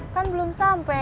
kan belum sampe